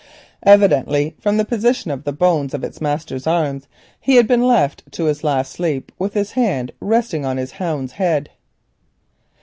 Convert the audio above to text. Evidently from the position of the bones of its master's arms he had been left to his last sleep with his hand resting on the hound's head.